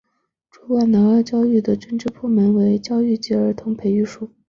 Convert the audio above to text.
主管南澳教育的政府部门为教育及儿童培育署。